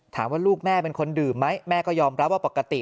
ลูกแม่เป็นคนดื่มไหมแม่ก็ยอมรับว่าปกติ